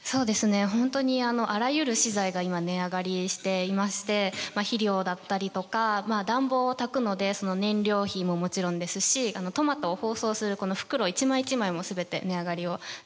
本当にあらゆる資材が今値上がりしていまして肥料だったりとか暖房をたくのでその燃料費ももちろんですしトマトを包装するこの袋一枚一枚も全て値上がりをしています。